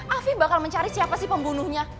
afi bakal mencari siapa sih pembunuhnya